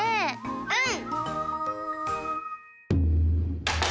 うん！